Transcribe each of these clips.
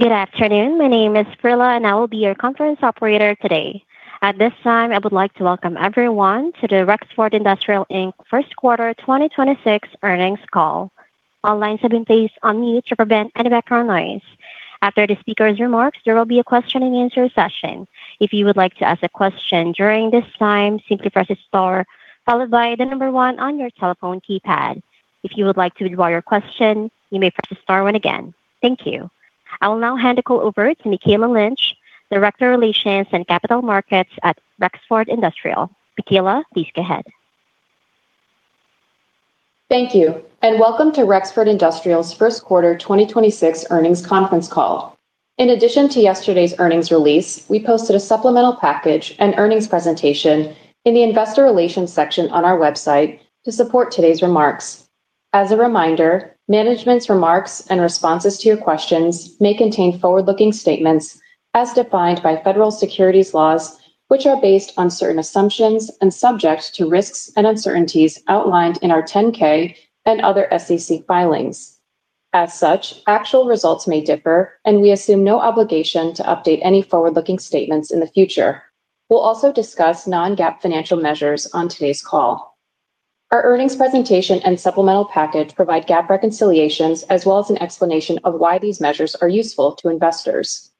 Good afternoon. My name is Prilla, and I will be your conference operator today. At this time, I would like to welcome everyone to the Rexford Industrial Inc. First Quarter 2026 Earnings Call. All lines have been placed on mute to prevent any background noise. After the speaker's remarks, there will be a question and answer session. If you would like to ask a question during this time, simply press star followed by the number one on your telephone keypad. If you would like to withdraw your question, you may press star one again. Thank you. I will now hand the call over to Mikayla Lynch, Director, Investor Relations and Capital Markets at Rexford Industrial. Mikayla, please go ahead. Thank you, and welcome to Rexford Industrial's first quarter 2026 earnings conference call. In addition to yesterday's earnings release, we posted a supplemental package and earnings presentation in the investor relations section on our website to support today's remarks. As a reminder, management's remarks and responses to your questions may contain forward-looking statements as defined by Federal securities laws, which are based on certain assumptions and subject to risks and uncertainties outlined in our 10K and other SEC filings. As such, actual results may differ, and we assume no obligation to update any forward-looking statements in the future. We'll also discuss non-GAAP financial measures on today's call. Our earnings presentation and supplemental package provide GAAP reconciliations as well as an explanation of why these measures are useful to investors.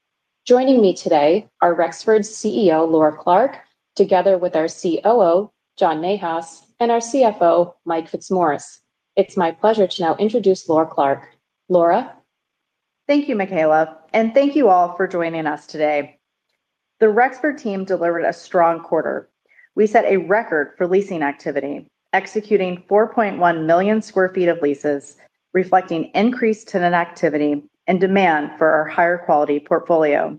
Joining me today are Rexford's CEO, Laura Clark, together with our COO, John Nahas, and our CFO, Mike Fitzmaurice. It's my pleasure to now introduce Laura Clark. Laura? Thank you, Mikayla, and thank you all for joining us today. The Rexford team delivered a strong quarter. We set a record for leasing activity, executing 4.1 million sq ft of leases, reflecting increased tenant activity and demand for our higher quality portfolio.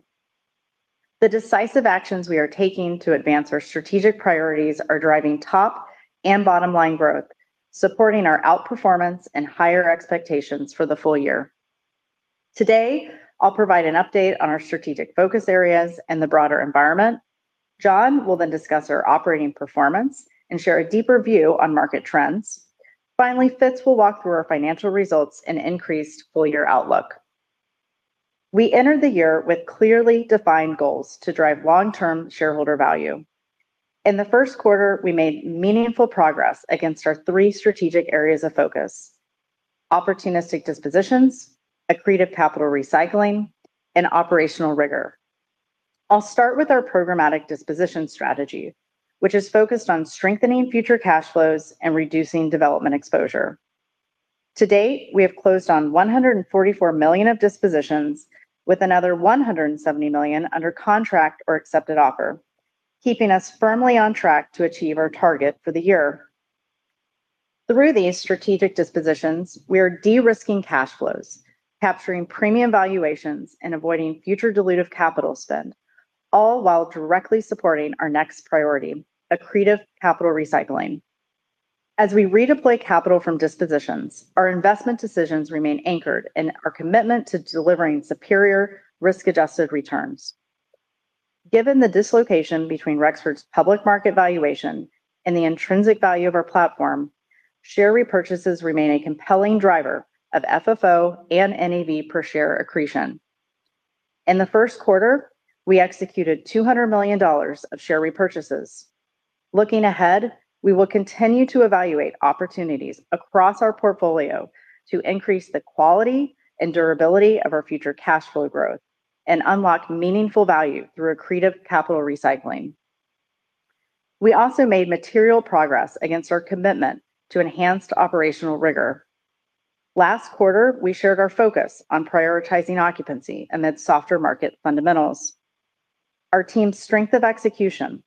The decisive actions we are taking to advance our strategic priorities are driving top and bottom line growth, supporting our outperformance and higher expectations for the full year. Today, I'll provide an update on our strategic focus areas and the broader environment. John will then discuss our operating performance and share a deeper view on market trends. Finally, Fitz will walk through our financial results and increased full year outlook. We entered the year with clearly defined goals to drive long term shareholder value. In the first quarter, we made meaningful progress against our three strategic areas of focus: opportunistic dispositions, accretive capital recycling, and operational rigor. I'll start with our programmatic disposition strategy, which is focused on strengthening future cash flows and reducing development exposure. To date, we have closed on $144 million of dispositions with another $170 million under contract or accepted offer, keeping us firmly on track to achieve our target for the year. Through these strategic dispositions, we are de-risking cash flows, capturing premium valuations, and avoiding future dilutive capital spend, all while directly supporting our next priority, accretive capital recycling. As we redeploy capital from dispositions, our investment decisions remain anchored in our commitment to delivering superior risk-adjusted returns. Given the dislocation between Rexford's public market valuation and the intrinsic value of our platform, share repurchases remain a compelling driver of FFO and NAV per share accretion. In the first quarter, we executed $200 million of share repurchases. Looking ahead, we will continue to evaluate opportunities across our portfolio to increase the quality and durability of our future cash flow growth and unlock meaningful value through accretive capital recycling. We also made material progress against our commitment to enhanced operational rigor. Last quarter, we shared our focus on prioritizing occupancy amid softer market fundamentals. Our team's strength of execution,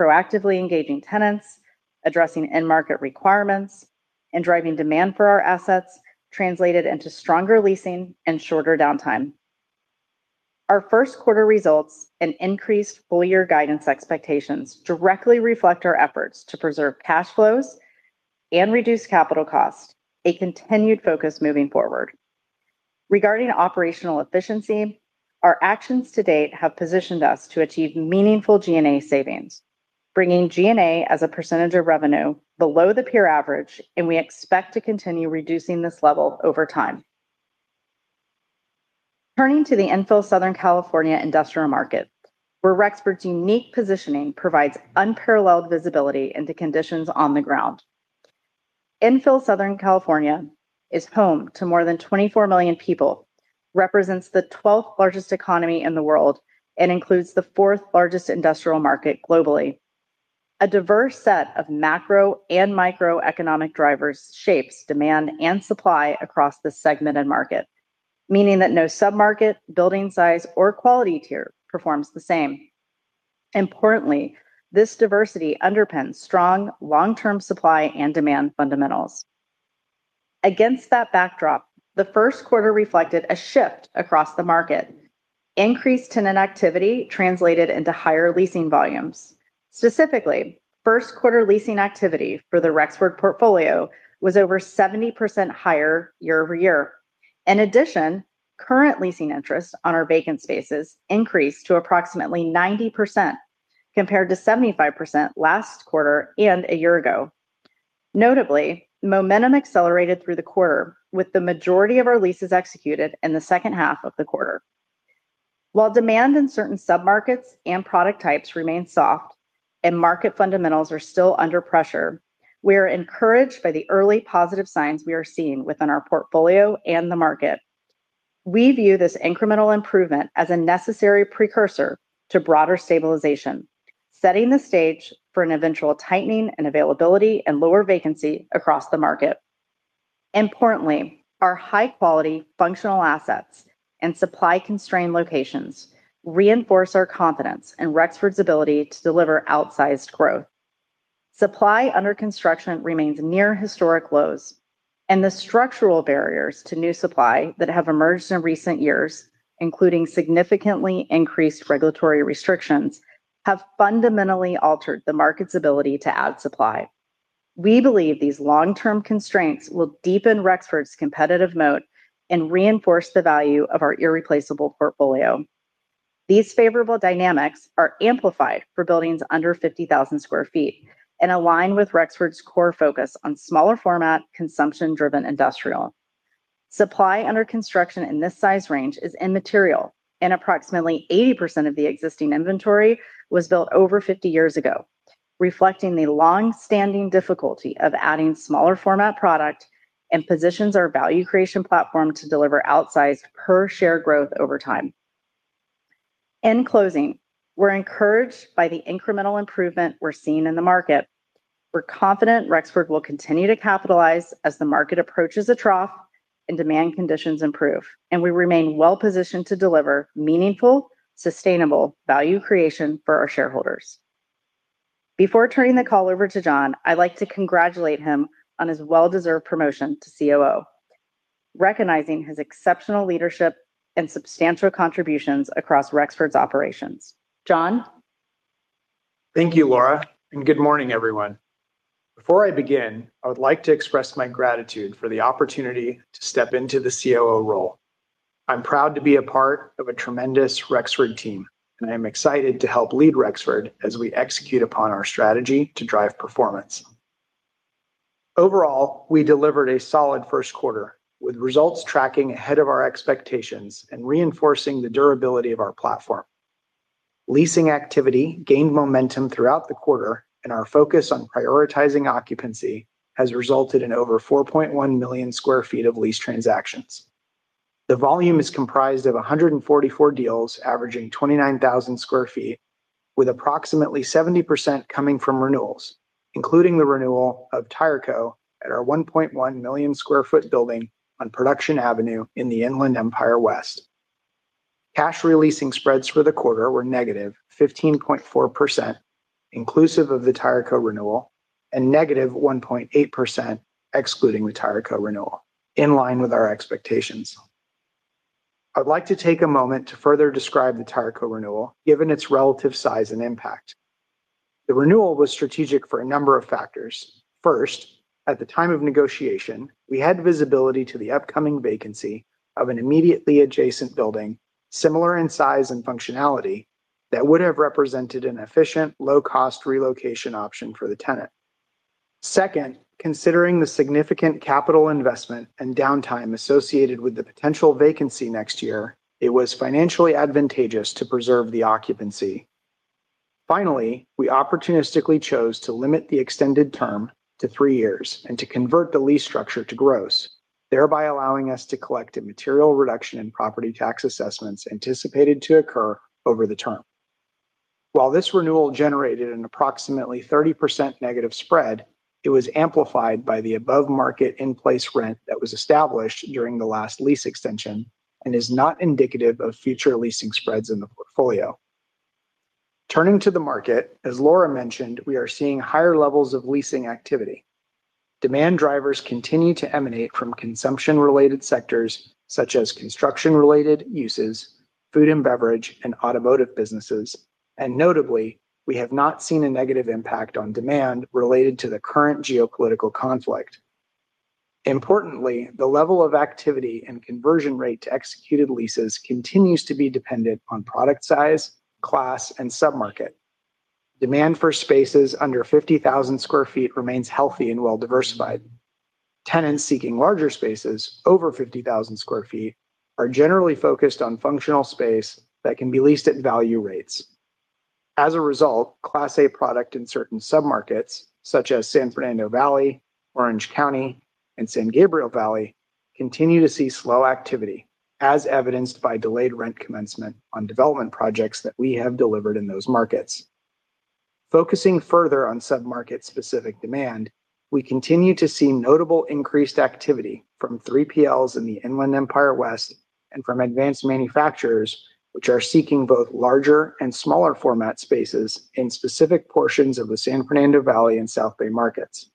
proactively engaging tenants, addressing end market requirements, and driving demand for our assets translated into stronger leasing and shorter downtime. Our first quarter results and increased full year guidance expectations directly reflect our efforts to preserve cash flows and reduce capital cost, a continued focus moving forward. Regarding operational efficiency, our actions to date have positioned us to achieve meaningful G&A savings, bringing G&A as a percentage of revenue below the peer average, and we expect to continue reducing this level over time. Turning to the infill Southern California industrial market, where Rexford's unique positioning provides unparalleled visibility into conditions on the ground. Infill Southern California is home to more than 24 million people, represents the 12th largest economy in the world, and includes the fourth largest industrial market globally. A diverse set of macro and microeconomic drivers shapes demand and supply across this segmented market, meaning that no sub-market, building size, or quality tier performs the same. Importantly, this diversity underpins strong long-term supply and demand fundamentals. Against that backdrop, the first quarter reflected a shift across the market. Increased tenant activity translated into higher leasing volumes. Specifically, first quarter leasing activity for the Rexford portfolio was over 70% higher year-over-year. In addition, current leasing interest on our vacant spaces increased to approximately 90% compared to 75% last quarter and a year ago. Notably, momentum accelerated through the quarter with the majority of our leases executed in the second half of the quarter. While demand in certain submarkets and product types remains soft and market fundamentals are still under pressure, we are encouraged by the early positive signs we are seeing within our portfolio and the market. We view this incremental improvement as a necessary precursor to broader stabilization, setting the stage for an eventual tightening in availability and lower vacancy across the market. Importantly, our high-quality functional assets and supply-constrained locations reinforce our confidence in Rexford's ability to deliver outsized growth. Supply under construction remains near historic lows, and the structural barriers to new supply that have emerged in recent years, including significantly increased regulatory restrictions, have fundamentally altered the market's ability to add supply. We believe these long-term constraints will deepen Rexford's competitive moat and reinforce the value of our irreplaceable portfolio. These favorable dynamics are amplified for buildings under 50,000 sq ft and align with Rexford's core focus on smaller format, consumption-driven industrial. Supply under construction in this size range is immaterial, and approximately 80% of the existing inventory was built over 50 years ago, reflecting the long-standing difficulty of adding smaller format product, and positions our value creation platform to deliver outsized per share growth over time. In closing, we're encouraged by the incremental improvement we're seeing in the market. We're confident Rexford will continue to capitalize as the market approaches a trough and demand conditions improve, and we remain well-positioned to deliver meaningful, sustainable value creation for our shareholders. Before turning the call over to John, I'd like to congratulate him on his well-deserved promotion to COO, recognizing his exceptional leadership and substantial contributions across Rexford's operations. John? Thank you Laura, and good morning, everyone. Before I begin, I would like to express my gratitude for the opportunity to step into the COO role. I'm proud to be a part of a tremendous Rexford team, and I am excited to help lead Rexford as we execute upon our strategy to drive performance. Overall, we delivered a solid first quarter, with results tracking ahead of our expectations and reinforcing the durability of our platform. Leasing activity gained momentum throughout the quarter, and our focus on prioritizing occupancy has resulted in over 4.1 million sq ft of lease transactions. The volume is comprised of 144 deals averaging 29,000 sq ft, with approximately 70% coming from renewals, including the renewal of Tireco at our 1.1 million sq ft building on Production Avenue in the Inland Empire West. Cash re-leasing spreads for the quarter were negative 15.4%, inclusive of the Tireco renewal, and negative 1.8%, excluding the Tireco renewal, in line with our expectations. I'd like to take a moment to further describe the Tireco renewal, given its relative size and impact. The renewal was strategic for a number of factors. First, at the time of negotiation, we had visibility to the upcoming vacancy of an immediately adjacent building, similar in size and functionality, that would have represented an efficient, low-cost relocation option for the tenant. Second, considering the significant capital investment and downtime associated with the potential vacancy next year, it was financially advantageous to preserve the occupancy. Finally, we opportunistically chose to limit the extended term to three years and to convert the lease structure to gross, thereby allowing us to collect a material reduction in property tax assessments anticipated to occur over the term. While this renewal generated an approximately 30% negative spread, it was amplified by the above market in-place rent that was established during the last lease extension and is not indicative of future leasing spreads in the portfolio. Turning to the market, as Laura mentioned, we are seeing higher levels of leasing activity. Demand drivers continue to emanate from consumption-related sectors such as construction-related uses, food and beverage, and automotive businesses, and notably, we have not seen a negative impact on demand related to the current geopolitical conflict. Importantly, the level of activity and conversion rate to executed leases continues to be dependent on product size, class, and submarket. Demand for spaces under 50,000 sq ft remains healthy and well diversified. Tenants seeking larger spaces over 50,000 sq ft are generally focused on functional space that can be leased at value rates. As a result, Class A product in certain submarkets, such as San Fernando Valley, Orange County, and San Gabriel Valley, continue to see slow activity, as evidenced by delayed rent commencement on development projects that we have delivered in those markets. Focusing further on submarket-specific demand, we continue to see notably increased activity from 3PLs in the Inland Empire West and from advanced manufacturers, which are seeking both larger and smaller format spaces in specific portions of the San Fernando Valley and South Bay markets.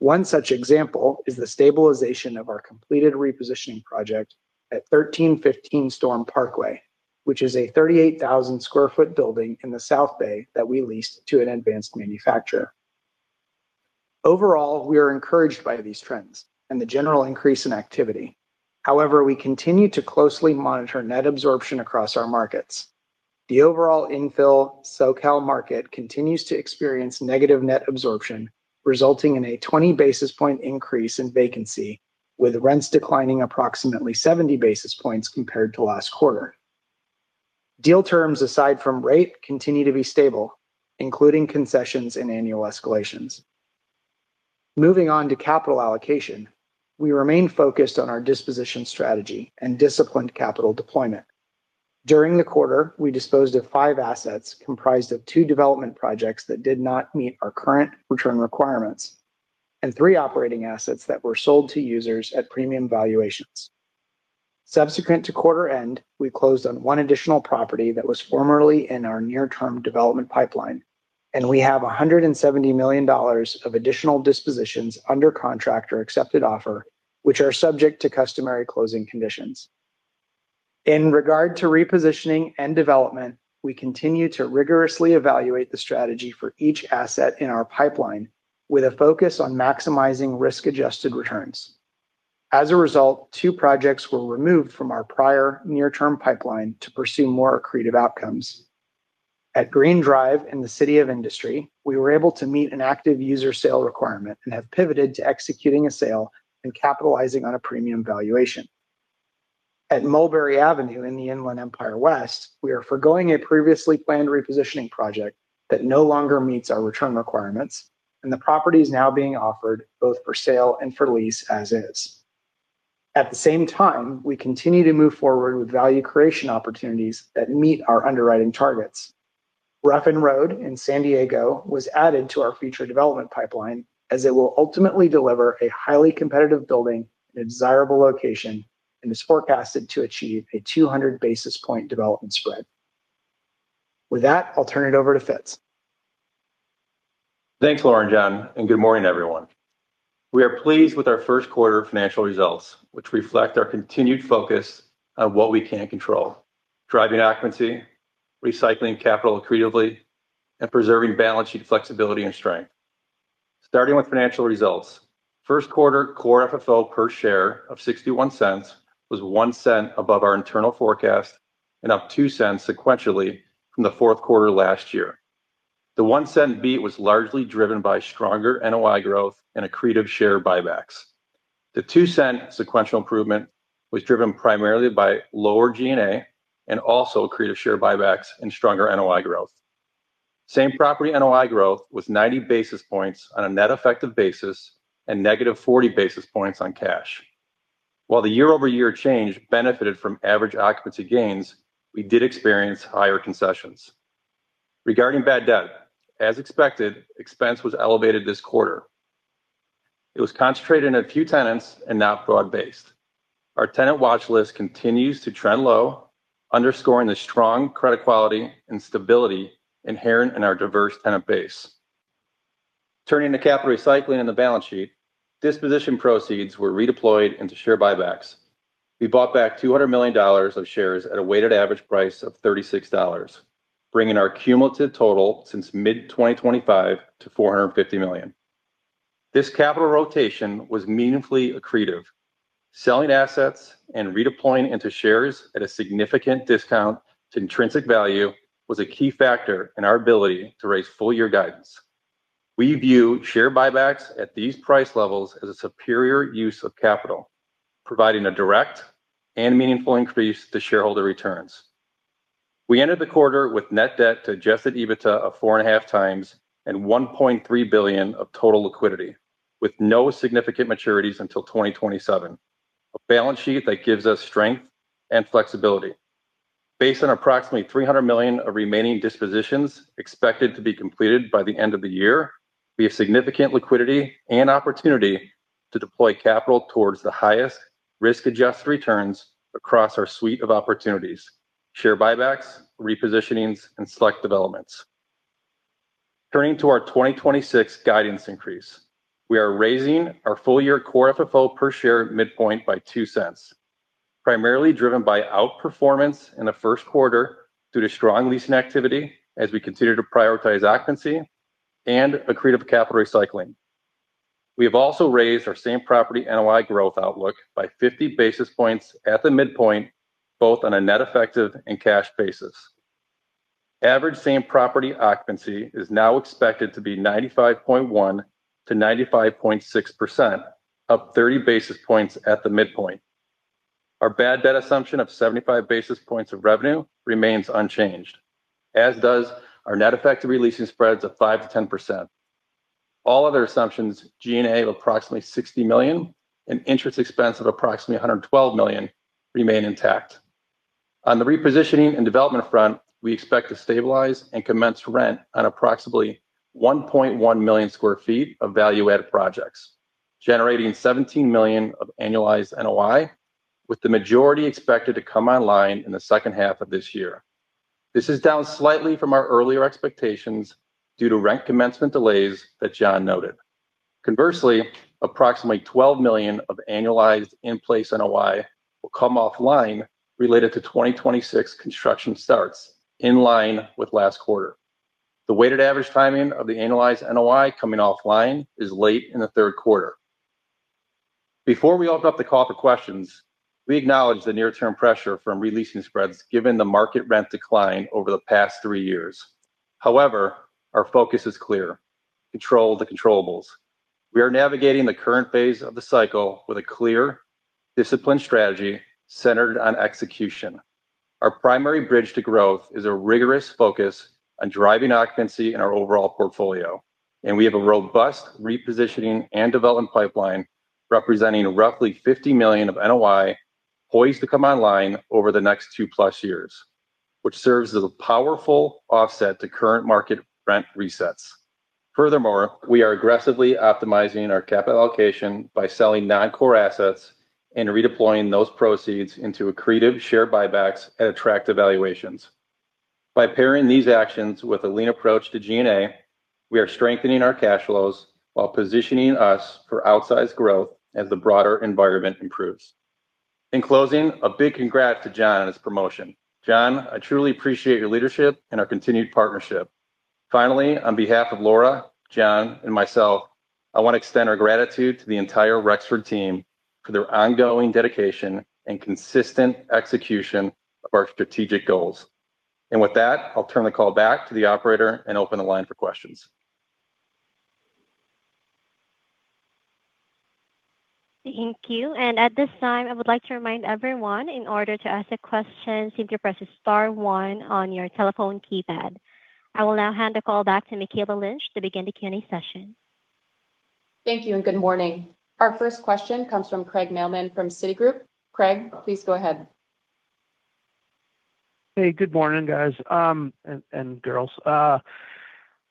One such example is the stabilization of our completed repositioning project at 1315 Storm Parkway, which is a 38,000 sq ft building in the South Bay that we leased to an advanced manufacturer. Overall, we are encouraged by these trends and the general increase in activity. However, we continue to closely monitor net absorption across our markets. The overall infill SoCal market continues to experience negative net absorption, resulting in a 20 basis point increase in vacancy, with rents declining approximately 70 basis points compared to last quarter. Deal terms aside from rate continue to be stable, including concessions and annual escalations. Moving on to capital allocation, we remain focused on our disposition strategy and disciplined capital deployment. During the quarter, we disposed of five assets comprised of two development projects that did not meet our current return requirements and three operating assets that were sold to users at premium valuations. Subsequent to quarter end, we closed on one additional property that was formerly in our near-term development pipeline, and we have $170 million of additional dispositions under contract or accepted offer, which are subject to customary closing conditions. In regard to repositioning and development, we continue to rigorously evaluate the strategy for each asset in our pipeline with a focus on maximizing risk-adjusted returns. As a result, two projects were removed from our prior near-term pipeline to pursue more accretive outcomes. At Green Drive in the City of Industry, we were able to meet an active user sale requirement and have pivoted to executing a sale and capitalizing on a premium valuation. At Mulberry Avenue in the Inland Empire West, we are forgoing a previously planned repositioning project that no longer meets our return requirements, and the property is now being offered both for sale and for lease as is. At the same time, we continue to move forward with value creation opportunities that meet our underwriting targets. Ruffin Road in San Diego was added to our future development pipeline, as it will ultimately deliver a highly competitive building in a desirable location and is forecasted to achieve a 200 basis points development spread. With that, I'll turn it over to Fitz. Thanks Laura and John, and good morning everyone. We are pleased with our first quarter financial results, which reflect our continued focus on what we can control, driving occupancy, recycling capital accretively, and preserving balance sheet flexibility and strength. Starting with financial results, first quarter core FFO per share of $0.61 was $0.01 above our internal forecast and up $0.02 sequentially from the fourth quarter last year. The $0.01 beat was largely driven by stronger NOI growth and accretive share buybacks. The $0.02 sequential improvement was driven primarily by lower G&A and also accretive share buybacks and stronger NOI growth. Same-property NOI growth was 90 basis points on a net effective basis and negative 40 basis points on cash. While the year-over-year change benefited from average occupancy gains, we did experience higher concessions. Regarding bad debt, as expected expense was elevated this quarter. It was concentrated in a few tenants and not broad-based. Our tenant watch list continues to trend low, underscoring the strong credit quality and stability inherent in our diverse tenant base. Turning to capital recycling and the balance sheet, disposition proceeds were redeployed into share buybacks. We bought back $200 million of shares at a weighted average price of $36, bringing our cumulative total since mid-2025 to $450 million. This capital rotation was meaningfully accretive. Selling assets and redeploying into shares at a significant discount to intrinsic value was a key factor in our ability to raise full year guidance. We view share buybacks at these price levels as a superior use of capital, providing a direct and meaningful increase to shareholder returns. We ended the quarter with net debt to adjusted EBITDA of 4.5 times and $1.3 billion of total liquidity, with no significant maturities until 2027. A balance sheet that gives us strength and flexibility. Based on approximately $300 million of remaining dispositions expected to be completed by the end of the year, we have significant liquidity and opportunity to deploy capital towards the highest risk-adjusted returns across our suite of opportunities, share buybacks, repositionings, and select developments. Turning to our 2026 guidance increase. We are raising our full year Core FFO per share midpoint by $0.02, primarily driven by outperformance in the first quarter due to strong leasing activity as we continue to prioritize occupancy and accretive capital recycling. We have also raised our same-property NOI growth outlook by 50 basis points at the midpoint, both on a net effective and cash basis. Average same-property occupancy is now expected to be 95.1%-95.6%, up 30 basis points at the midpoint. Our bad debt assumption of 75 basis points of revenue remains unchanged, as does our net effect of re-leasing spreads of 5%-10%. All other assumptions, G&A of approximately $60 million and interest expense of approximately $112 million, remain intact. On the repositioning and development front, we expect to stabilize and commence rent on approximately 1.1 million sq ft of value add projects, generating $17 million of annualized NOI, with the majority expected to come online in the second half of this year. This is down slightly from our earlier expectations due to rent commencement delays that John noted. Conversely, approximately $12 million of annualized in-place NOI will come offline related to 2026 construction starts, in line with last quarter. The weighted average timing of the annualized NOI coming offline is late in the third quarter. Before we open up the call for questions, we acknowledge the near-term pressure from re-leasing spreads, given the market rent decline over the past three years. However, our focus is clear: control the controllables. We are navigating the current phase of the cycle with a clear, disciplined strategy centered on execution. Our primary bridge to growth is a rigorous focus on driving occupancy in our overall portfolio, and we have a robust repositioning and development pipeline representing roughly $50 million of NOI poised to come online over the next two-plus years, which serves as a powerful offset to current market rent resets. Furthermore, we are aggressively optimizing our capital allocation by selling non-core assets and redeploying those proceeds into accretive share buybacks at attractive valuations. By pairing these actions with a lean approach to G&A, we are strengthening our cash flows while positioning us for outsized growth as the broader environment improves. In closing, a big congrats to John on his promotion. John, I truly appreciate your leadership and our continued partnership. Finally, on behalf of Laura, John, and myself, I want to extend our gratitude to the entire Rexford team for their ongoing dedication and consistent execution of our strategic goals. With that, I'll turn the call back to the operator and open the line for questions. Thank you. At this time, I would like to remind everyone, in order to ask a question, simply press star one on your telephone keypad. I will now hand the call back to Mikayla Lynch to begin the Q&A session. Thank you, and good morning. Our first question comes from Craig Mailman from Citigroup. Craig, please go ahead. Hey, good morning, guys and girls.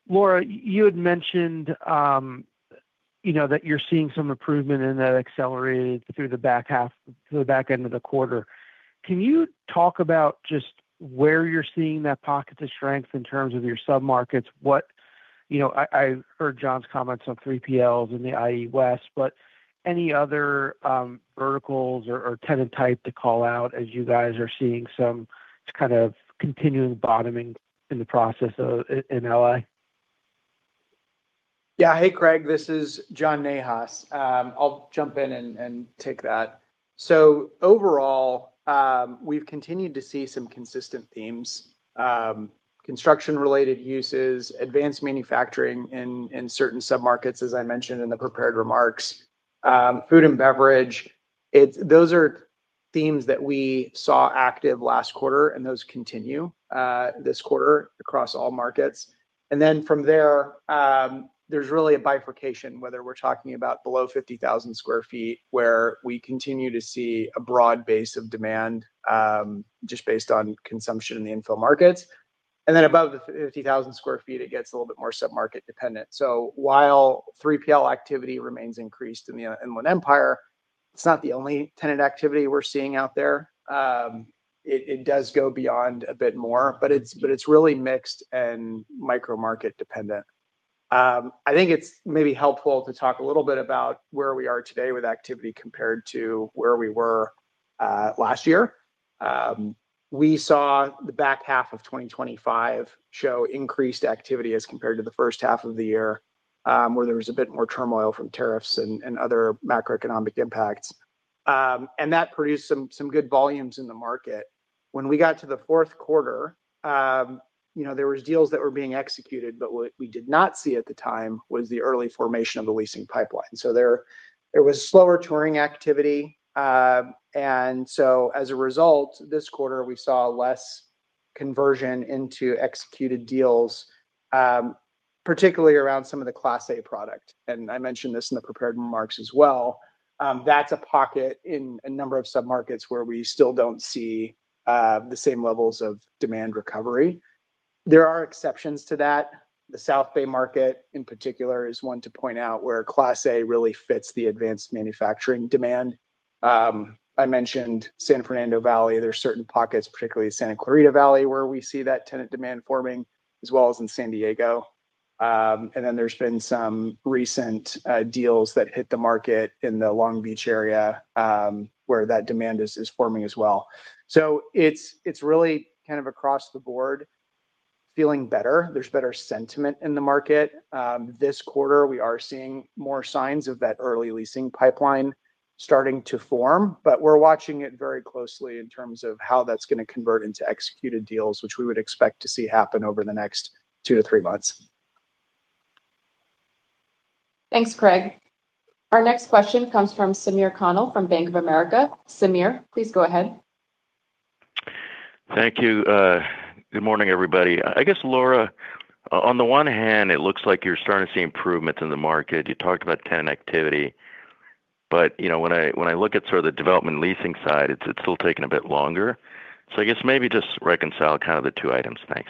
Laura, you had mentioned that you're seeing some improvement and that accelerated through the back end of the quarter. Can you talk about just where you're seeing that pocket of strength in terms of your sub-markets? I heard John's comments on 3PLs in the IE West, but any other verticals or tenant type to call out as you guys are seeing some kind of continuing bottoming in the process in L.A.? Yeah. Hey Craig, this is John Nahas. I'll jump in and take that. Overall, we've continued to see some consistent themes. Construction-related uses, advanced manufacturing in certain submarkets, as I mentioned in the prepared remarks, food and beverage. Those are themes that we saw active last quarter, and those continue this quarter across all markets. Then from there's really a bifurcation, whether we're talking about below 50,000 sq ft, where we continue to see a broad base of demand, just based on consumption in the infill markets. Then above the 50,000 sq ft, it gets a little bit more submarket dependent. While 3PL activity remains increased in the Inland Empire, it's not the only tenant activity we're seeing out there. It does go beyond a bit more, but it's really mixed and micro-market dependent. I think it's maybe helpful to talk a little bit about where we are today with activity compared to where we were last year. We saw the back half of 2025 show increased activity as compared to the first half of the year, where there was a bit more turmoil from tariffs and other macroeconomic impacts. That produced some good volumes in the market. When we got to the fourth quarter, there was deals that were being executed, but what we did not see at the time was the early formation of the leasing pipeline. There was slower touring activity. As a result, this quarter, we saw less conversion into executed deals, particularly around some of the Class A product. I mentioned this in the prepared remarks as well. That's a pocket in a number of submarkets where we still don't see the same levels of demand recovery. There are exceptions to that. The South Bay market, in particular, is one to point out where Class A really fits the advanced manufacturing demand. I mentioned San Fernando Valley. There's certain pockets, particularly Santa Clarita Valley, where we see that tenant demand forming, as well as in San Diego. There's been some recent deals that hit the market in the Long Beach area, where that demand is forming as well. It's really kind of across the board, feeling better. There's better sentiment in the market. This quarter, we are seeing more signs of that early leasing pipeline starting to form. We're watching it very closely in terms of how that's gonna to convert into executed deals, which we would expect to see happen over the next 2-3 months. Thanks Craig. Our next question comes from Samir Khanal from Bank of America. Samir, please go ahead. Thank you. Good morning everybody. I guess Laura, on the one hand, it looks like you're starting to see improvements in the market. You talked about tenant activity. But when I look at sort of the development leasing side, it's still taking a bit longer. I guess maybe just reconcile kind of the two items. Thanks.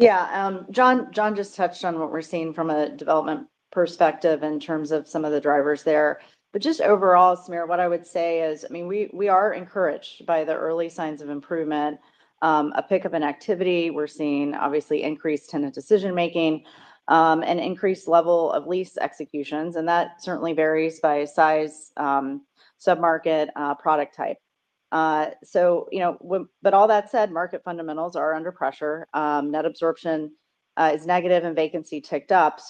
Yeah. John just touched on what we're seeing from a development perspective in terms of some of the drivers there. Just overall, Samir, what I would say is, we are encouraged by the early signs of improvement, a pickup in activity. We're seeing, obviously, increased tenant decision-making, an increased level of lease executions, and that certainly varies by size, submarket, product type. But all that said, market fundamentals are under pressure. Net absorption is negative and vacancy ticked up.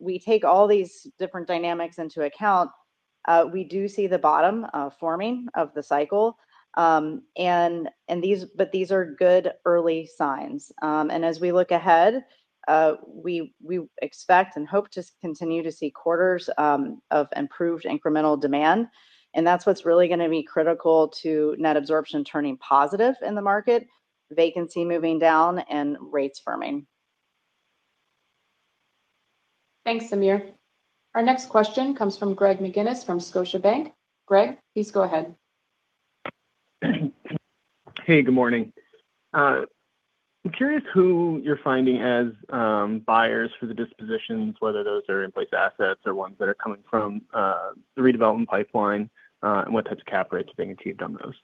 We take all these different dynamics into account. We do see the bottom forming of the cycle. These are good early signs. As we look ahead, we expect and hope to continue to see quarters of improved incremental demand. That's what's really going to be critical to net absorption turning positive in the market, vacancy moving down, and rates firming. Thanks Samir. Our next question comes from Greg McGinniss from Scotiabank. Greg, please go ahead. Hey, good morning. I'm curious who you're finding as buyers for the dispositions, whether those are in-place assets or ones that are coming from the redevelopment pipeline, and what types of cap rates are being achieved on those?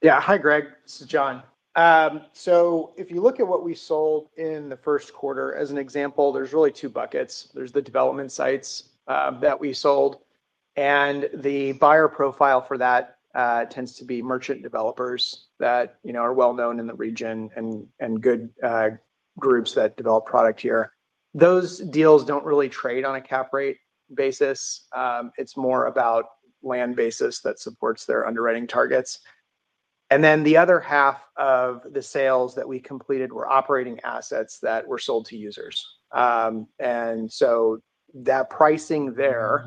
Yeah hi Greg, this is John. If you look at what we sold in the first quarter as an example, there's really two buckets. There's the development sites that we sold, and the buyer profile for that tends to be merchant developers that are well known in the region and good groups that develop product here. Those deals don't really trade on a cap rate basis. It's more about land basis that supports their underwriting targets. The other half of the sales that we completed were operating assets that were sold to users. That pricing there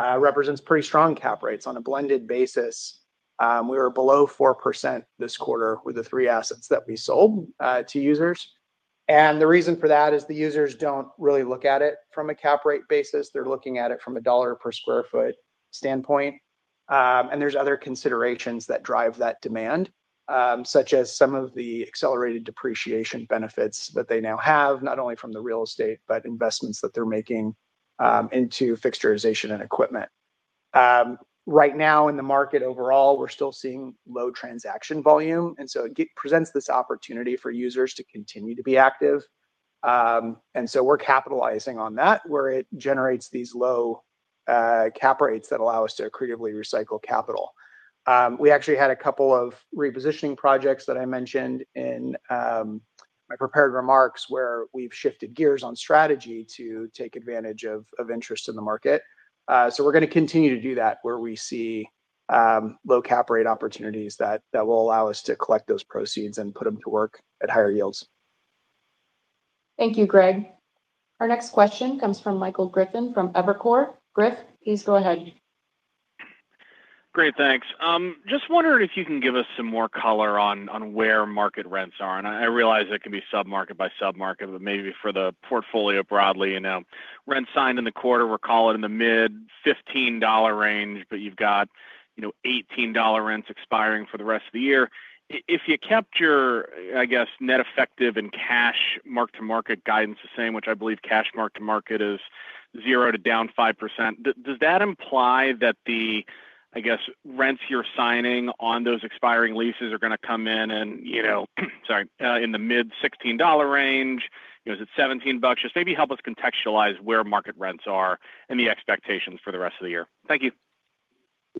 represents pretty strong cap rates. On a blended basis, we were below 4% this quarter with the three assets that we sold to users. The reason for that is the users don't really look at it from a cap rate basis. They're looking at it from a $ per sq ft standpoint. There's other considerations that drive that demand, such as some of the accelerated depreciation benefits that they now have, not only from the real estate, but investments that they're making into fixturization and equipment. Right now in the market overall, we're still seeing low transaction volume. It presents this opportunity for users to continue to be active. We're capitalizing on that, where it generates these low cap rates that allow us to creatively recycle capital. We actually had a couple of repositioning projects that I mentioned in my prepared remarks, where we've shifted gears on strategy to take advantage of interest in the market. We're gonna to continue to do that, where we see low cap rate opportunities that will allow us to collect those proceeds and put them to work at higher yields. Thank you Greg. Our next question comes from Michael Griffin from Evercore. Griff, please go ahead. Great, thanks. Just wondering if you can give us some more color on where market rents are. I realize it can be sub-market by sub-market, but maybe for the portfolio broadly. Rents signed in the quarter, we're calling in the mid-$15 range, but you've got $18 rents expiring for the rest of the year. If you kept your, I guess, net effective and cash mark-to-market guidance the same, which I believe cash mark-to-market is 0% to down 5%, does that imply that the, I guess, rents you're signing on those expiring leases are going to come in in the mid-$16 range? Is it $17? Just maybe help us contextualize where market rents are and the expectations for the rest of the year. Thank you.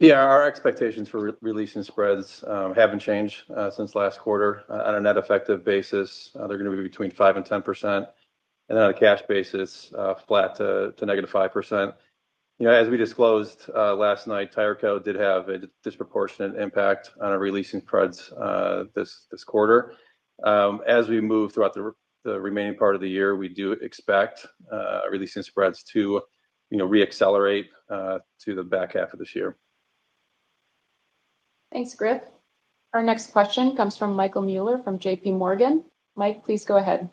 Yeah, our expectations for re-leasing spreads haven't changed since last quarter. On a net effective basis they're going to be between 5%-10%, and then on a cash basis, flat to -5%. As we disclosed last night, Tireco did have a disproportionate impact on our re-leasing spreads this quarter. As we move throughout the remaining part of the year, we do expect re-leasing spreads to re-accelerate to the back half of this year. Thanks Griff. Our next question comes from Michael Mueller from JPMorgan. Mike, please go ahead.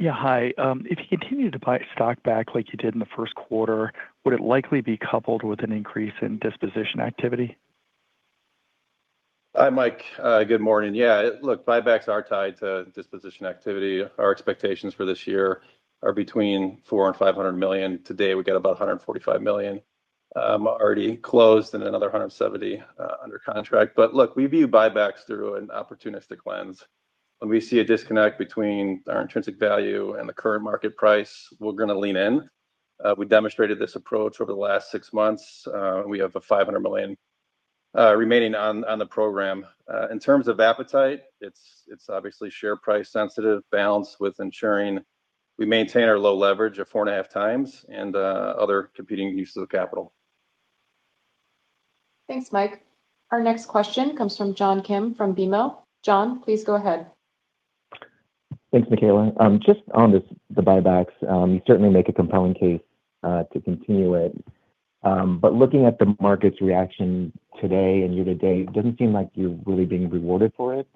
Yeah hi. If you continue to buy stock back like you did in the first quarter, would it likely be coupled with an increase in disposition activity? Hi Mike. Good morning. Yeah, look, buybacks are tied to disposition activity. Our expectations for this year are between $400 million and $500 million. To date, we've got about $145 million already closed and another $170 million under contract. Look, we view buybacks through an opportunistic lens. When we see a disconnect between our intrinsic value and the current market price, we're going to lean in. We demonstrated this approach over the last six months. We have $500 million remaining on the program. In terms of appetite, it's obviously share price sensitive, balanced with ensuring we maintain our low leverage of 4.5 times and other competing uses of capital. Thanks Mike. Our next question comes from John Kim from BMO. John, please go ahead. Thanks Mikayla. Just on the buybacks. You certainly make a compelling case to continue it. Looking at the market's reaction today and year to date, it doesn't seem like you're really being rewarded for it.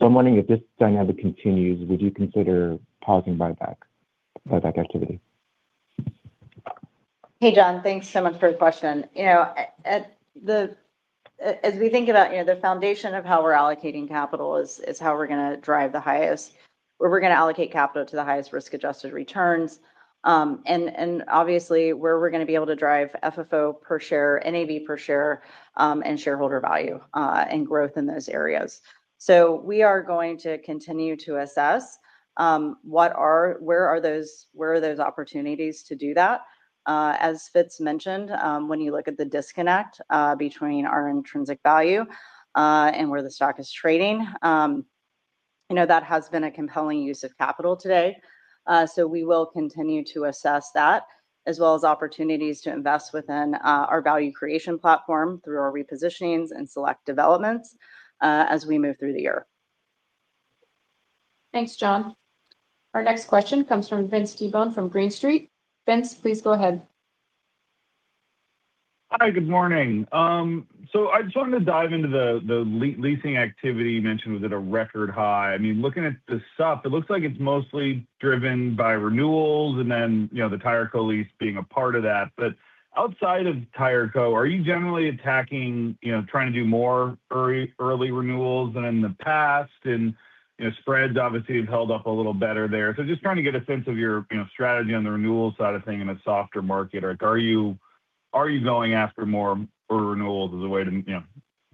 I'm wondering if this dynamic continues, would you consider pausing buyback activity? Hey John. Thanks so much for the question. As we think about the foundation of how we're allocating capital is how we're going to drive the highest. Where we're going to allocate capital to the highest risk-adjusted returns. Obviously where we're going to be able to drive FFO per share, NAV per share, and shareholder value, and growth in those areas. We are going to continue to assess where are those opportunities to do that. As Fitz mentioned, when you look at the disconnect between our intrinsic value, and where the stock is trading. You know that has been a compelling use of capital today. We will continue to assess that, as well as opportunities to invest within our value creation platform through our repositionings and select developments as we move through the year. Thanks John. Our next question comes from Vince Tibone from Green Street. Vince, please go ahead. Hi, good morning. I just wanted to dive into the leasing activity you mentioned was at a record high. I mean, looking at the supp, it looks like it's mostly driven by renewals and then the Tireco lease being a part of that. Outside of Tireco, are you generally attacking, trying to do more early renewals than in the past? Spreads obviously have held up a little better there. Just trying to get a sense of your strategy on the renewals side of things in a softer market. Are you going after more renewals as a way to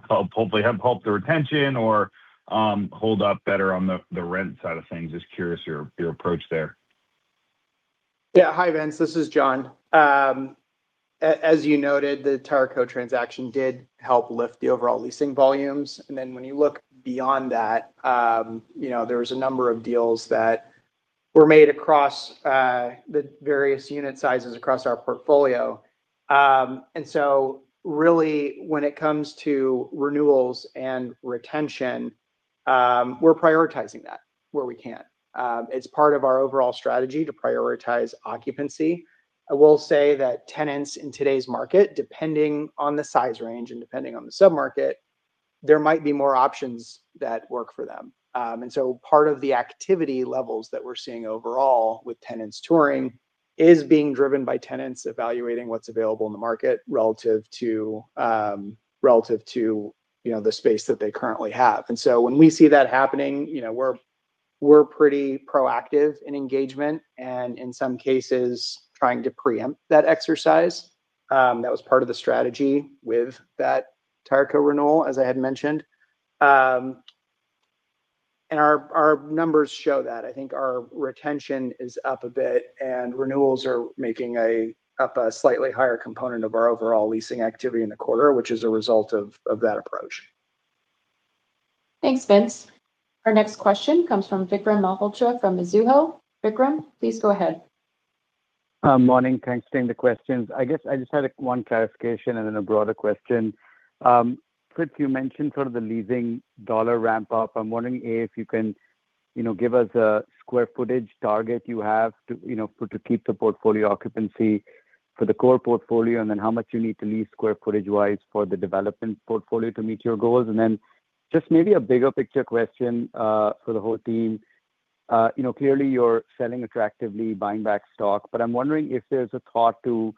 hopefully help the retention or hold up better on the rent side of things? Just curious your approach there. Yeah. Hi Vince, this is John. As you noted, the Tireco transaction did help lift the overall leasing volumes. When you look beyond that, there was a number of deals that were made across the various unit sizes across our portfolio. Really when it comes to renewals and retention, we're prioritizing that where we can. It's part of our overall strategy to prioritize occupancy. I will say that tenants in today's market, depending on the size range and depending on the sub-market, there might be more options that work for them. Part of the activity levels that we're seeing overall with tenants touring is being driven by tenants evaluating what's available in the market relative to the space that they currently have. When we see that happening, we're pretty proactive in engagement and in some cases, trying to preempt that exercise. That was part of the strategy with that Tireco renewal, as I had mentioned. Our numbers show that. I think our retention is up a bit, and renewals are making up a slightly higher component of our overall leasing activity in the quarter, which is a result of that approach. Thanks Vince. Our next question comes from Vikram Malhotra from Mizuho. Vikram, please go ahead. Morning. Thanks for taking the questions. I guess I just had one clarification and then a broader question. Fitz, you mentioned sort of the leasing dollar ramp up. I'm wondering, A, if you can give us a square footage target you have to keep the portfolio occupancy for the core portfolio, and then how much you need to lease square footage-wise for the development portfolio to meet your goals. Then just maybe a bigger picture question for the whole team. Clearly you're selling attractively buying back stock, but I'm wondering if there's a thought to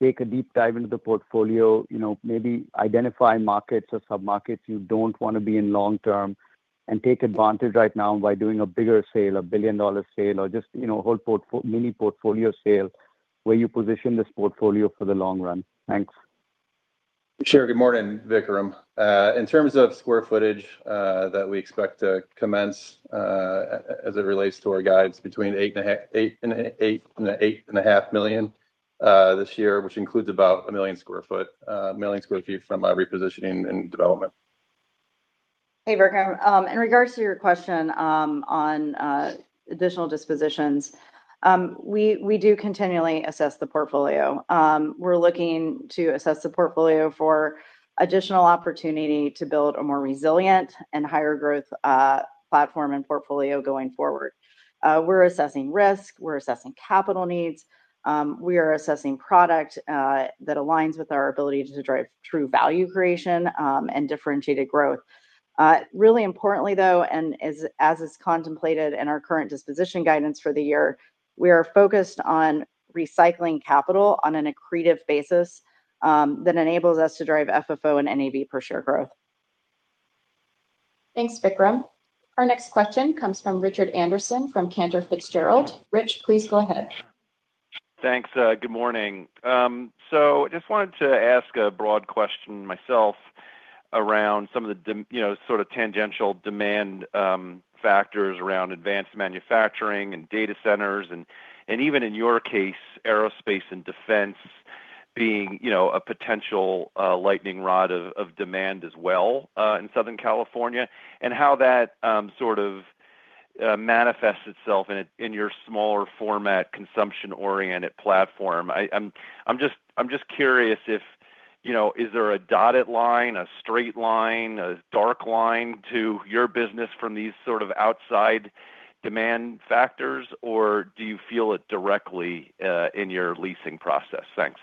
take a deep dive into the portfolio. Maybe identify markets or sub-markets you don't want to be in long term and take advantage right now by doing a bigger sale, a $1 billion sale, or just whole mini portfolio sale where you position this portfolio for the long run. Thanks. Sure. Good morning Vikram. In terms of square footage that we expect to commence as it relates to our guides, between 8 and 8.5 million sq ft this year, which includes about 1 million sq ft from our repositioning and development. Hey Vikram. In regards to your question on additional dispositions, we do continually assess the portfolio. We're looking to assess the portfolio for additional opportunity to build a more resilient and higher growth platform and portfolio going forward. We're assessing risk. We're assessing capital needs. We are assessing product that aligns with our ability to drive true value creation and differentiated growth. Really importantly though, and as is contemplated in our current disposition guidance for the year, we are focused on recycling capital on an accretive basis that enables us to drive FFO and NAV per share growth. Thanks Vikram. Our next question comes from Richard Anderson from Cantor Fitzgerald. Rich, please go ahead. Thanks. Good morning. Just wanted to ask a broad question myself around some of the sort of tangential demand factors around advanced manufacturing and data centers and even in your case, aerospace and defense being a potential lightning rod of demand as well in Southern California. How that sort of manifests itself in your smaller format, consumption oriented platform. I'm just curious if there is a dotted line, a straight line, a direct line to your business from these sort of outside demand factors, or do you feel it directly in your leasing process? Thanks.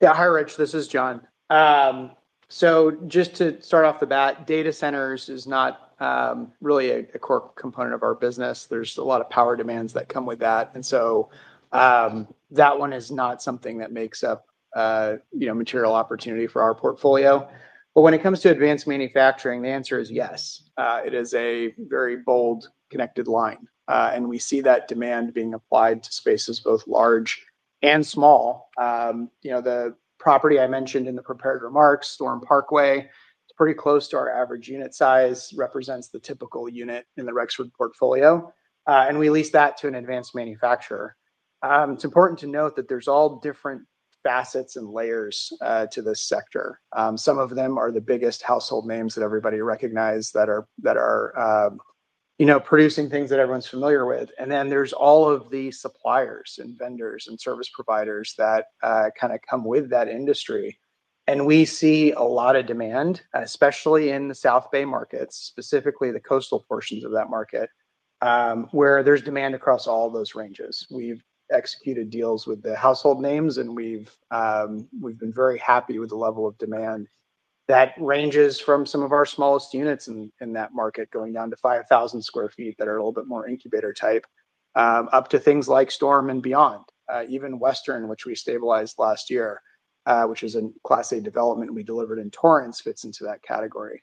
Yeah. Hi Rich this is John. Just to right off the bat, data centers is not really a core component of our business. There's a lot of power demands that come with that, and so that one is not something that makes up material opportunity for our portfolio. But when it comes to advanced manufacturing, the answer is yes. It is a very bold, connected line. We see that demand being applied to spaces both large and small. The property I mentioned in the prepared remarks, Storm Parkway, it's pretty close to our average unit size, represents the typical unit in the Rexford portfolio. We leased that to an advanced manufacturer. It's important to note that there's all different facets and layers to this sector. Some of them are the biggest household names that everybody recognize that are producing things that everyone's familiar with. Then there's all of the suppliers and vendors and service providers that kind of come with that industry. We see a lot of demand, especially in the South Bay markets, specifically the coastal portions of that market, where there's demand across all those ranges. We've executed deals with the household names, and we've been very happy with the level of demand that ranges from some of our smallest units in that market, going down to 5,000 sq ft that are a little bit more incubator type, up to things like Storm and beyond. Even Western, which we stabilized last year, which is a Class A development we delivered in Torrance, fits into that category.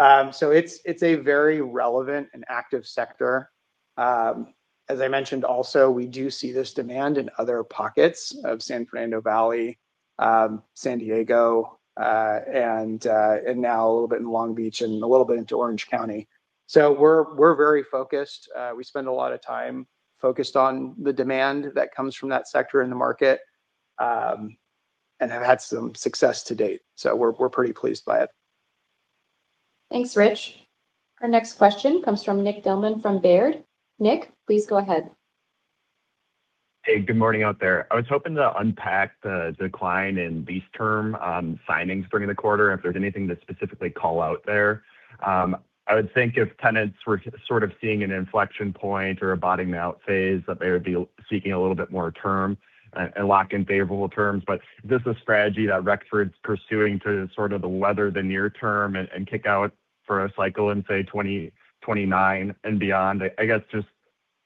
It's a very relevant and active sector. As I mentioned also, we do see this demand in other pockets of San Fernando Valley, San Diego, and now a little bit in Long Beach and a little bit into Orange County. We're very focused. We spend a lot of time focused on the demand that comes from that sector in the market, and have had some success to date. We're pretty pleased by it. Thanks Rich. Our next question comes from Nick Thillman from Baird. Nick, please go ahead. Hey, good morning out there. I was hoping to unpack the decline in lease term signings during the quarter, if there's anything to specifically call out there. I would think if tenants were sort of seeing an inflection point or a bottoming out phase, that they would be seeking a little bit more term and lock in favorable terms. Is this a strategy that Rexford's pursuing to sort of weather the near term and kick out for a cycle in, say, 2029 and beyond? I guess, just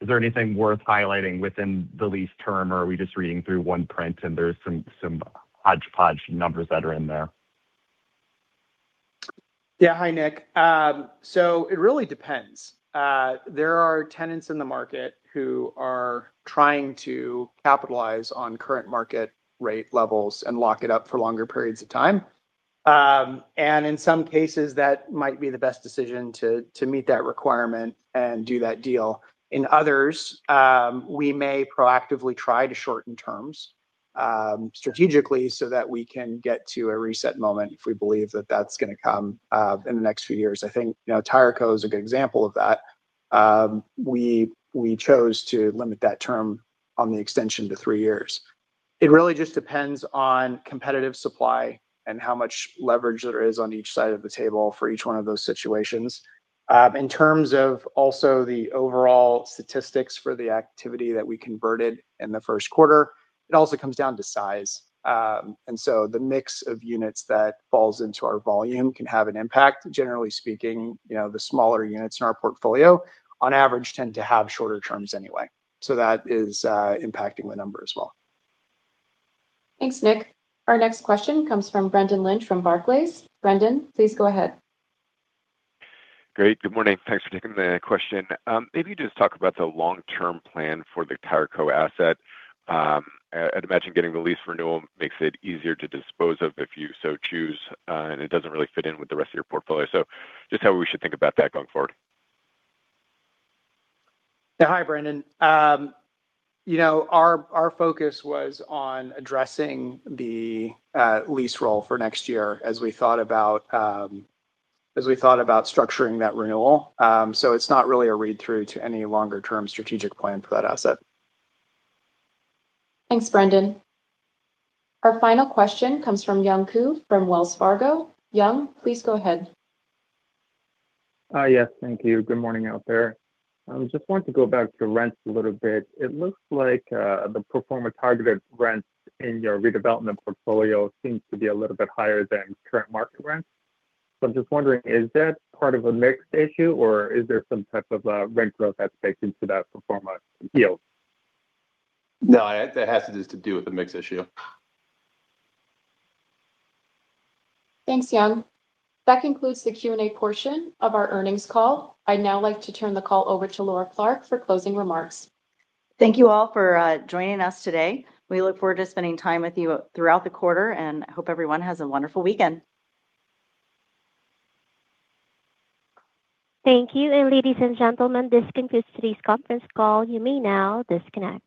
is there anything worth highlighting within the lease term, or are we just reading through one print and there's some hodgepodge numbers that are in there? Yeah, hi Nick. It really depends. There are tenants in the market who are trying to capitalize on current market rate levels and lock it up for longer periods of time. In some cases, that might be the best decision to meet that requirement and do that deal. In others, we may proactively try to shorten terms strategically so that we can get to a reset moment if we believe that that's going to come in the next few years. I think Tireco is a good example of that. We chose to limit that term on the extension to three years. It really just depends on competitive supply and how much leverage there is on each side of the table for each one of those situations. In terms of also the overall statistics for the activity that we converted in the first quarter, it also comes down to size. The mix of units that falls into our volume can have an impact. Generally speaking, the smaller units in our portfolio on average, tend to have shorter terms anyway. That is impacting the number as well. Thanks Nick. Our next question comes from Brendan Lynch from Barclays. Brendan, please go ahead. Great. Good morning. Thanks for taking the question. Maybe just talk about the long-term plan for the Tireco asset. I'd imagine getting the lease renewal makes it easier to dispose of if you so choose, and it doesn't really fit in with the rest of your portfolio. Just how we should think about that going forward? Yeah. Hi Brendan. Our focus was on addressing the lease roll for next year as we thought about structuring that renewal. It's not really a read-through to any longer term strategic plan for that asset. Thanks Brendan. Our final question comes from Young Ku from Wells Fargo. Young, please go ahead. Yes. Thank you. Good morning out there. Just wanted to go back to rents a little bit. It looks like the pro forma targeted rents in your redevelopment portfolio seems to be a little bit higher than current market rents. I'm just wondering, is that part of a mix issue, or is there some type of rent growth that's baked into that pro forma yield? No, that has just to do with the mix issue. Thanks Young. That concludes the Q&A portion of our earnings call. I'd now like to turn the call over to Laura Clark for closing remarks. Thank you all for joining us today. We look forward to spending time with you throughout the quarter, and hope everyone has a wonderful weekend. Thank you. Ladies and gentlemen, this concludes today's conference call. You may now disconnect.